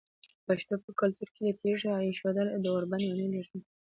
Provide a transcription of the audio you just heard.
د پښتنو په کلتور کې د تیږې ایښودل د اوربند معنی لري.